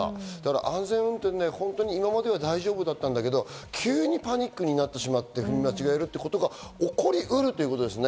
安全運転で今まで大丈夫だったんだけど、急にパニックになってしまって、踏み間違えるということが起こりうるってことですね。